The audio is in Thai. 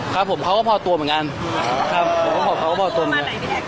ครับผมเขาก็พอตัวเหมือนกันครับผมก็บอกเขาก็พอตัวเหมือนกัน